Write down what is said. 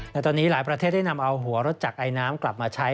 และตอนนี้หลายประเทศได้นำเอาหัวรถจักรไอน้ำกลับมาใช้